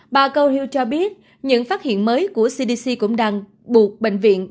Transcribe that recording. bà conhil cho biết những phát hiện mới của cdc cũng đang buộc bệnh viện